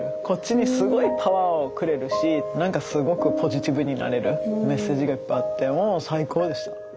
こっちにすごいパワーをくれるし何かすごくポジティブになれるメッセージがいっぱいあってもう最高でした。